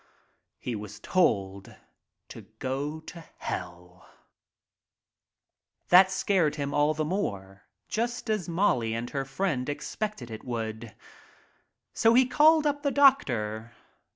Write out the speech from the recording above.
He was told to go to Hell ! That scared him all the more, just as Molly and her friend expected it would. So he called up the doctor.